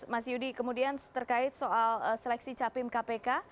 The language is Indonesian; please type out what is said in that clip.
mas yudi kemudian terkait soal seleksi capim kpk